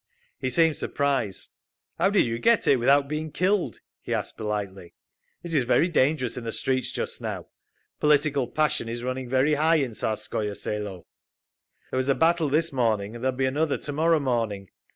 He seemed surprised. "How did you get here without being killed?" he asked politely. "It is very dangerous in the streets just now. Political passion is running very high in Tsarskoye Selo. There was a battle this morning, and there will be another to morrow morning.